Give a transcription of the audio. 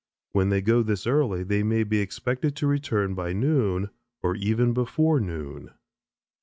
When they go this early they may be expected to return by noon or even before noon.